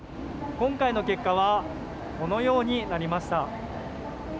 今回の結果は、このようになりました。